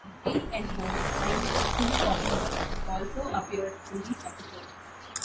P and O Line's equally popular also appears in the episode.